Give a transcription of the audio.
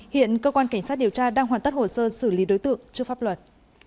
hiện cơ quan cảnh sát điều tra đang hoàn tất hồ sơ xử lý đối tượng trước pháp luật